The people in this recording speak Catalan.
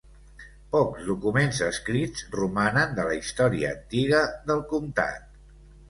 Pocs documents escrits romanen de la història antiga del comtat.